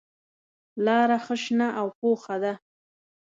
لاره ښه شنه او پوخه ده.